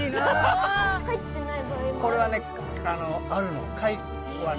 これはねあるの。